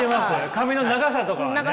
髪の長さとかがね。